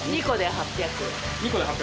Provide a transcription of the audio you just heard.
２個で８００円。